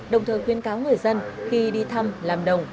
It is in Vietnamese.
đồng thời khuyên cáo người dân khi đi thăm làm đồng